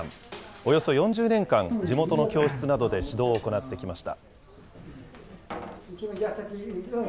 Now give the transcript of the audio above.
およそ４０年間、地元の教室などで指導を行ってきました。